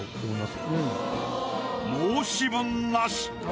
申し分なし。